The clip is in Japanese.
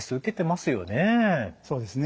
そうですね。